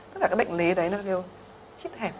tức là cái định lý đấy nó kêu chít hẹp